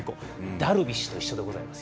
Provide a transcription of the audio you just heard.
ダルビッシュと同じでございます。